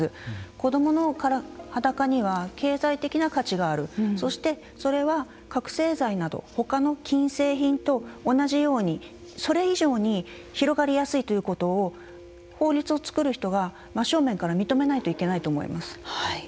子どもの裸には経済的な価値があるそして、それは覚醒剤などほかの禁制品と同じようにそれ以上に広がりやすいということを法律をつくる人が真正面から認めないといけないと思います。